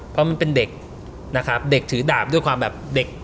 เพราะมันเป็นเด็กนะครับเด็กถือดาบด้วยความแบบเด็ก